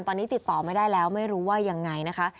ตอนนี้ติดต่อไม่ได้แล้วไม่รู้ว่ายังไงนะคะ